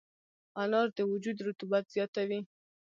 انار د وجود رطوبت زیاتوي.